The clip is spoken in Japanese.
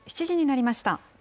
７時になりました。